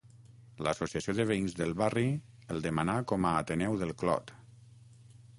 L'Associació de Veïns del barri el demanà com a Ateneu del Clot.